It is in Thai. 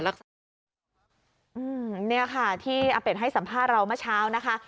อืมนี่ค่ะที่อาเปดให้สัมภาษณ์เราเมื่อเช้านะคะ